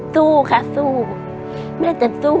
สู้ค่ะสู้แม่จะสู้